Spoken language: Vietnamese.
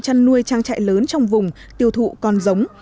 chăn nuôi trang trại lớn trong vùng tiêu thụ con giống